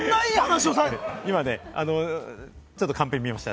今ね、ちょっとカンペ見ました。